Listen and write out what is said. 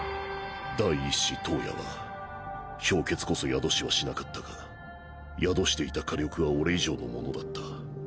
第一子燈矢は氷結こそ宿しはしなかったが宿していた火力は俺以上のものだった。